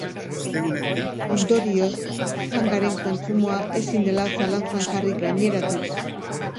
Ondorioz, pangaren kontsumoa ezin dela zalantzan jarri gaineratu du.